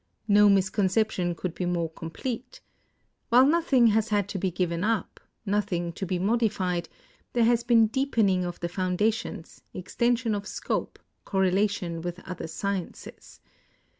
No misconception could be more com plete. While nothing has had to be given up, nothing to be modified, there has been deepening of the foundations, extension of scope, correlation with other sciences.